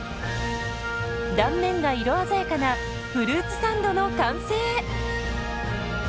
断面が色鮮やかなフルーツサンドの完成。